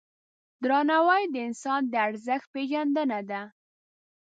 درناوی د انسان د ارزښت پیژندنه ده.